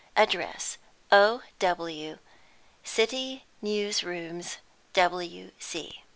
Address O. W., City News Rooms, W.C."